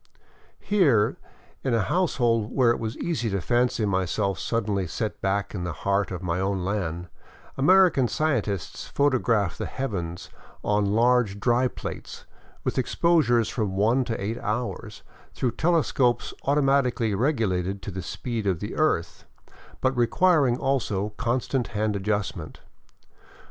Here, in a household where it was easy to fancy myself suddenly set back in the heart of my own land, American scientists photograph the heavens on large dry plates, with exposures of from one to eight hours, through telescopes automatically regulated to the speed of the earth, but requiring also constant hand adjustment.